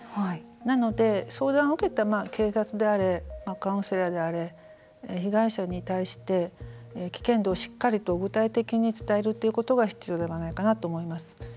なので、相談を受けた警察であれカウンセラーであれ被害者に対して危険度をしっかりと具体的に伝えるということが必要ではないかなと思います。